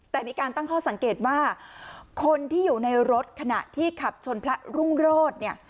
แต่มีการตั้งข้อสังเกตว่าคนที่อยู่ในรถขณะที่ขับชนพระรุ่งโรธเนี่ย